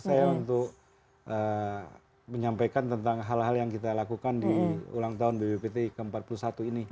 saya untuk menyampaikan tentang hal hal yang kita lakukan di ulang tahun bppt ke empat puluh satu ini